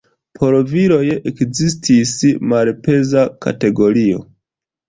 Por viroj ekzistis malpeza kategorio.